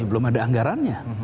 belum ada anggarannya